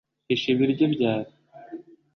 hisha ibiryo byawe